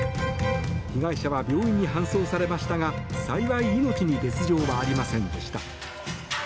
被害者は病院に搬送されましたが幸い命に別条はありませんでした。